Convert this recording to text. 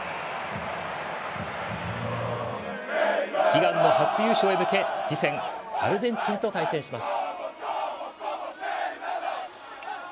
悲願の初優勝へ向け次戦、アルゼンチンと対戦します。